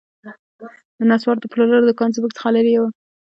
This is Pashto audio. د نسوارو د پلورلو دوکان زموږ څخه لیري و